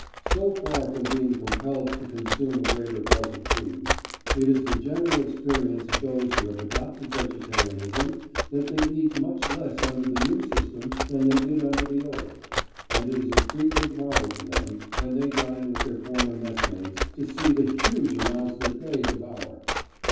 So far from being compelled to consume a greater bulk of food, it is the general experience of those who have adopted vegetarianism that they eat much less under the new system than they did under the old, and it is a frequent marvel to them, when they dine with their former messmates, to see the huge amounts that they devour.